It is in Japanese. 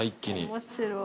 面白い。